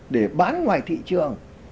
để bán ngoài thị trường